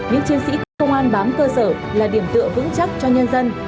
những chiến sĩ công an bám cơ sở là điểm tựa vững chắc cho nhân dân